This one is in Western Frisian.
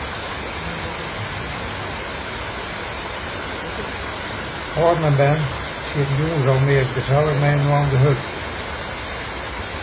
Alden en bern sieten jûns almeast gesellich mei-inoar om de hurd.